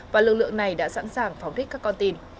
và lực lượng này đã sẵn sàng phóng thích các con tin